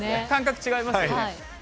感覚違いますね。